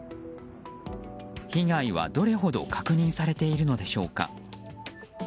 被害は、どれほど確認されているのでしょうか。